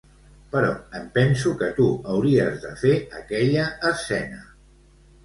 Però em penso que tu hauries de fer aquella escena.